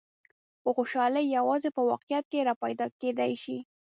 خو خوشحالي یوازې په واقعیت کې را پیدا کېدای شي.